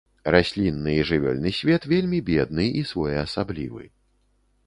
Раслінны і жывёльны свет вельмі бедны і своеасаблівы.